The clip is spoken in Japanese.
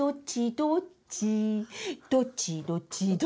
「どっちどっちどっちどっち」